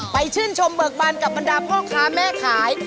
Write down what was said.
ชื่นชมเบิกบานกับบรรดาพ่อค้าแม่ขาย